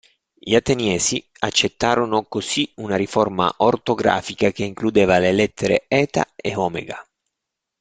Gli ateniesi accettarono così una riforma ortografica che includeva le lettere eta e omega.